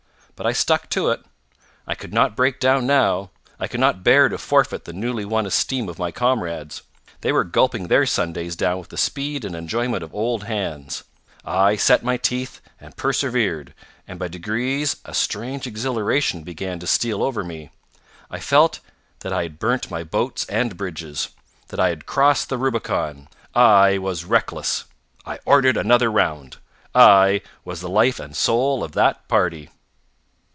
But I stuck to it. I could not break down now. I could not bear to forfeit the newly won esteem of my comrades. They were gulping their sundaes down with the speed and enjoyment of old hands. I set my teeth, and persevered, and by degrees a strange exhilaration began to steal over me. I felt that I had burnt my boats and bridges; that I had crossed the Rubicon. I was reckless. I ordered another round. I was the life and soul of that party.